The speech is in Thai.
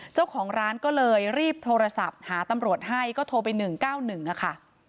เจ้าของร้านก็เลยรีบโทรศัพท์หาตำรวจให้ก็โทรไป๑๙๑ค่ะ